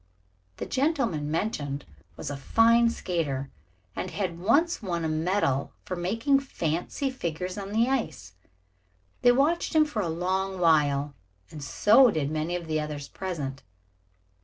The gentleman mentioned was a fine skater and had once won a medal for making fancy figures on the ice. They watched him for a long while and so did many of the others present.